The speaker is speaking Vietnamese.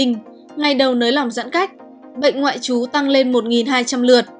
ngày đầu nới lỏng giãn cách bệnh ngoại trú tăng lên một hai trăm linh lượt